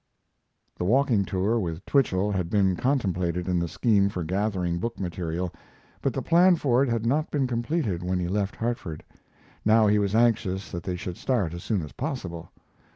The walking tour with Twichell had been contemplated in the scheme for gathering book material, but the plan for it had not been completed when he left Hartford. Now he was anxious that they should start as soon as possible.